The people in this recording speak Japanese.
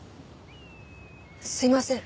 すいません。